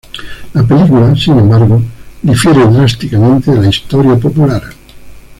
La película, sin embargo, difiere drásticamente de la historia popular.